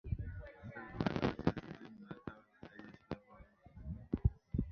Wote kutoka kikosi cha sitini na tano cha jeshi la Rwanda"